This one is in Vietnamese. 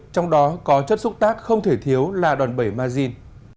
trong đó có chất xúc tác không thể thiếu là đòn bẩy margin